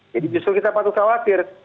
jadi justru kita patut khawatir